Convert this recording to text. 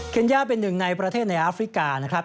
ย่าเป็นหนึ่งในประเทศในอาฟริกานะครับ